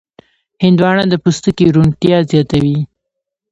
هندوانه د پوستکي روڼتیا زیاتوي.